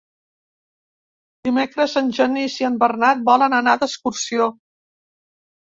Dimecres en Genís i en Bernat volen anar d'excursió.